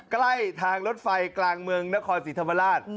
ใกล้ทางรถไฟกลางเมืองนครศรีธรรมราช